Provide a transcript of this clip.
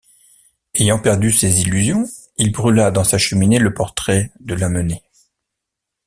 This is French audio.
Ayant perdu ses illusions il brûla dans sa cheminée le portrait de Lamennais.